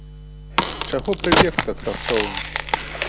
Чаго прыбег так раптоўна?